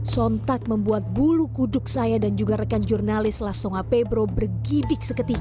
sontak membuat bulu kuduk saya dan juga rekan jurnalis lasonga pebro bergidik seketika